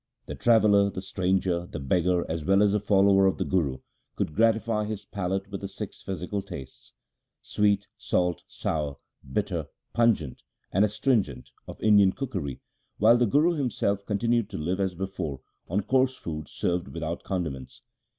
The traveller, the stranger, the beggar, as well as the follower of the Guru, could gratify his palate with the six physical tastes — sweet, salt, sour, bitter, pungent, and astrin gent — of Indian cookery, while the Guru himself continued to live as before on coarse food served without condiments.